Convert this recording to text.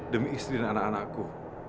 demi istri dan anak anakku